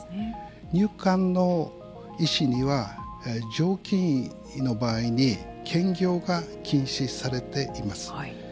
入管の医師には常勤医の場合に兼業が禁止されています。